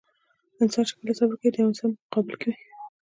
انسان چې کله صبر کوي د يوه انسان په مقابل کې وي.